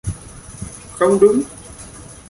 Không đúng